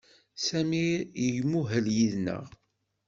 Sami imuhel yid-neɣ.